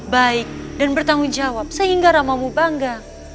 baik dan bertanggung jawab sehingga ramamu bangga